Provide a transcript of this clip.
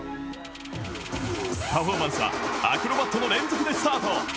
パフォーマンスはアクロバットの連続でスタート。